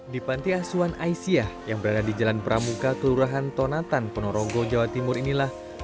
di panti asuhan aisyah yang berada di jalan pramuka kelurahan tonatan ponorogo jawa timur inilah